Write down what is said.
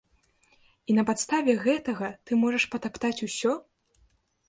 І на падставе гэтага ты можаш патаптаць усё?